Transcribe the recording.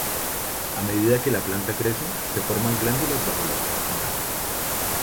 A medida que la planta crece, se forman glándulas bajo las hojas nuevas.